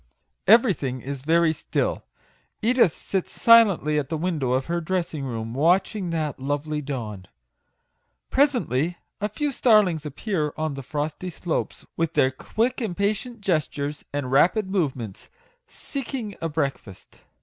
Everything is very still. Edith sits silently at the window of her dressing room, watching that lovely dawn. Presently a few starlings appear on the frosty slopes, with their quick, impatient gestures and rapid movements, seek ing a breakfast.